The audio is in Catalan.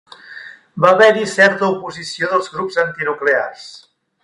Va haver-hi certa oposició dels grups antinuclears.